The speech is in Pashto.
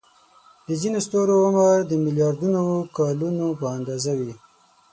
د ځینو ستورو عمر د ملیاردونو کلونو په اندازه وي.